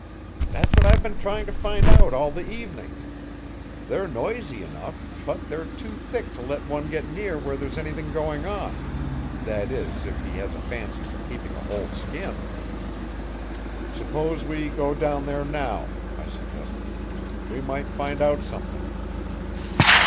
"That's what I've been trying to find out all the evening. They're noisy enough, but they're too thick to let one get near where there's anything going on that is, if he has a fancy for keeping a whole skin." "Suppose we go down there now," I suggested. "We might find out something."